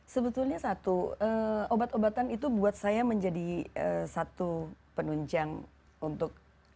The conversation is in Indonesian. sebetulnya satu obat obatan itu buat saya menjadi satu penunjang untuk